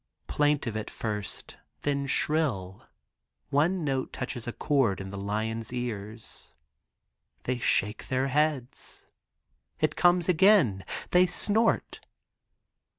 Plaintive at first, then shrill, one note touches a chord in the lions' ears. They shake their heads. It comes again. They snort.